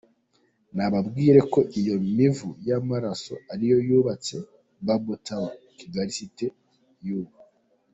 Nababwire ko iyo mivu y’amaraso ariyo yubatse Babel Tower, Kigali city y’ubu.